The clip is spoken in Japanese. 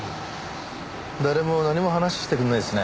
誰も何も話してくれないですね。